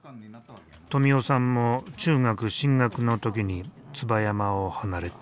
富男さんも中学進学の時に椿山を離れた。